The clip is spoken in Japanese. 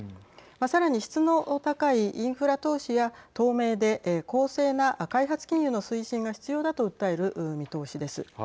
さらに質の高いインフラ投資や透明で公正な開発金融の推進が必要だと訴える見通しです。